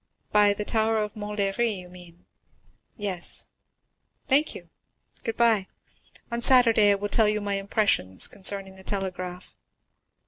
"By the tower of Montlhéry, you mean?" "Yes." "Thank you. Good bye. On Saturday I will tell you my impressions concerning the telegraph."